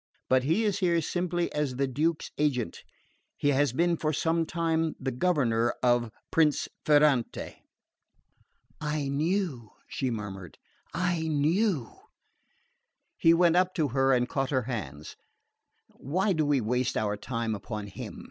But he is here simply as the Duke's agent. He has been for some time the governor of Prince Ferrante." "I knew," she murmured, "I knew " He went up to her and caught her hands. "Why do we waste our time upon him?"